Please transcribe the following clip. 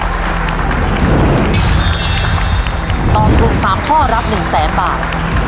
ถ้าตอบถูก๓ข้อรับ๑๐๐๐๐๐บาท